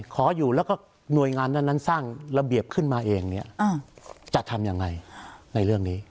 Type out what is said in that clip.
ขออยู่แล้วก็หน่วยงานนั้นสร้างระเบียบขึ้นมาเองเนี่ยจะทำยังไงในเรื่องนี้